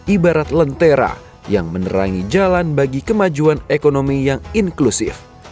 ibarat lentera yang menerangi jalan bagi kemajuan ekonomi yang inklusif